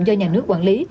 do nhà nước quản lý